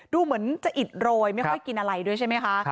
ดูเหมือนจะอิดโรยไม่ค่อยกินอะไรด้วยใช่ไหมคะ